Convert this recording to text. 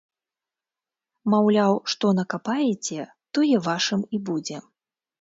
Маўляў, што накапаеце, тое вашым і будзе.